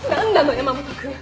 山本君。